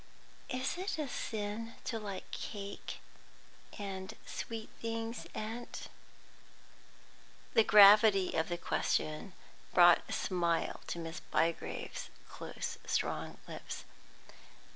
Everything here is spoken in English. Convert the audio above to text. "Is it a sin to like cake and sweet things, aunt?" The gravity of the question brought a smile to Miss Bygrave's close, strong lips.